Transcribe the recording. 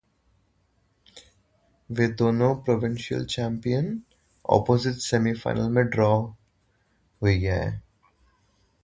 The provincial champions are drawn in opposite semi-finals.